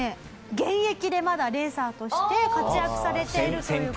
現役でまだレーサーとして活躍されているという事で。